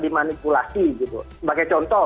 dimanipulasi sebagai contoh